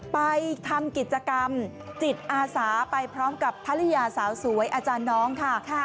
ไปทำกิจกรรมจิตอาสาไปพร้อมกับภรรยาสาวสวยอาจารย์น้องค่ะ